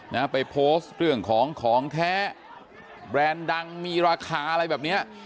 นะฮะไปโพสต์เรื่องของของแท้แบรนด์ดังมีราคาอะไรแบบเนี้ย